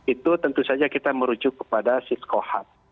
itu tentu saja kita merujuk kepada siskohat